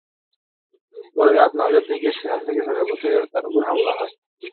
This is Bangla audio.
পরে রাত নয়টার দিকে সেখান থেকে ফেরার পথে তাঁর ওপর হামলা হয়।